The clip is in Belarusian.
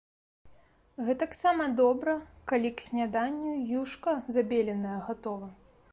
Гэтаксама добра, калі к сняданню й юшка забеленая гатова.